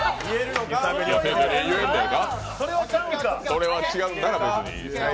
それは違うんなら別に。